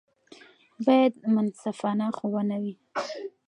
باید منصفانه ښوونه وي.